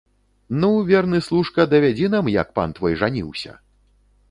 Ну, верны служка, давядзі нам, як пан твой жаніўся!